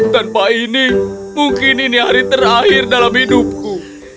tanpa ini mungkin ini hari terakhir dalam hidupku